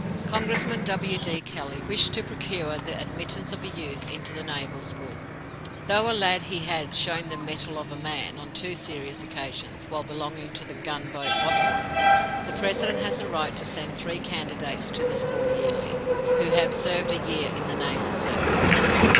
Congressman W. D. Kelley wished to procure the admittance of a youth into the Naval School. Though a lad he had "shown the mettle of a man" on two serious occasions, while belonging to the gunboat Ottawa. The President has the right to send three candidates to the school yearly, who have served a year in the naval service.